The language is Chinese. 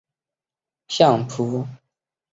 力士是日本相扑的选手。